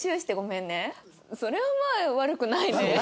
それはまあ悪くないね。